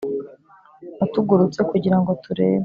watugurutse kugirango turebe